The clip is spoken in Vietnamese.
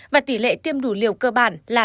và tỷ lệ tiêm đủ liều cơ bản là tám mươi sáu